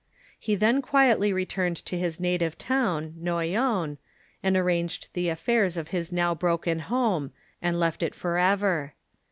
He then quietly returned to his na tive town, Noyon, and arranged the affairs of his now broken home, and left it forever.